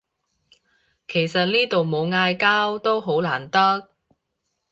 其實呢度冇嗌交都好難得